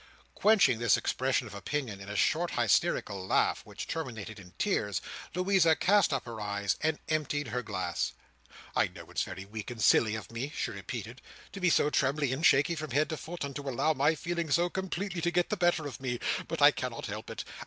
Quenching this expression of opinion in a short hysterical laugh which terminated in tears, Louisa cast up her eyes, and emptied her glass. "I know it's very weak and silly of me," she repeated, "to be so trembly and shaky from head to foot, and to allow my feelings so completely to get the better of me, but I cannot help it.